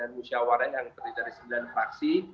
musyawarah yang terdiri dari sembilan fraksi